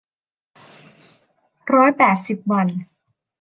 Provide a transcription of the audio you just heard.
ร้อยแปดสิบวัน